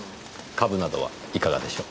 株などはいかがでしょう？